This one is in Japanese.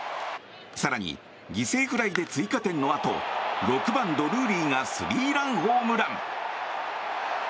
更に、犠牲フライで追加点のあと６番、ドゥルーリーがスリーランホームラン。